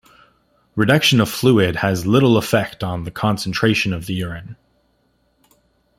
Reduction of fluid has little effect on the concentration of the urine.